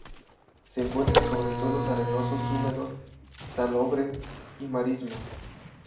Se encuentra sobre suelos arenosos húmedos, salobres, y marismas.